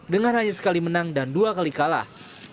dengan hanya sekali menang dan dua kali kalah